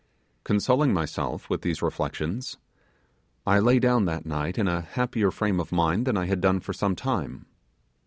Consoling myself with these reflections, I lay down that night in a happier frame of mind than I had done for some time.